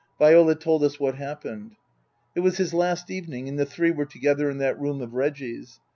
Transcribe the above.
Viola told us what happened. It was his last evening, and the three were together in that room of Reggie's.